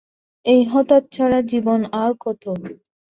এই হতচ্ছাড়া জীবন আর কত!